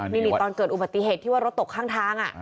นี่ตอนเกิดอุบัติเหตุที่ว่ารถตกข้างทาง